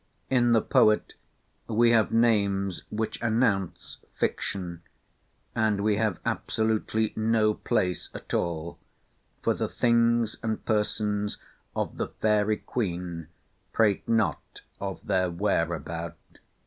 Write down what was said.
In the poet we have names which announce fiction; and we have absolutely no place at all, for the things and persons of the Fairy Queen prate not of their "whereabout."